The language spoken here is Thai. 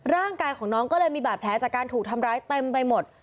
ร่างกายของน้องก็เลยมีบาดแผลจากการถูกทำร้ายเต็มไปหมด